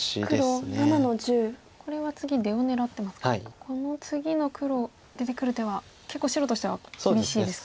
この次の黒出てくる手は結構白としては厳しいですか？